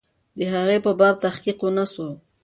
د هغې په باب تحقیق ونسو.